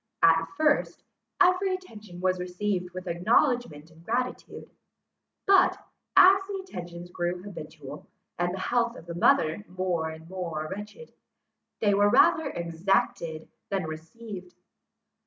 At first, every attention was received with acknowledgments and gratitude; but, as the attentions grew habitual, and the health of the mother more and more wretched, they were rather exacted, than received.